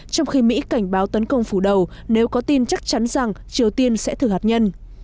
trong khi mỹ cảnh báo tấn công phủ đầu nếu có tin chắc chắn rằng triều tiên sẽ thử hạt nhân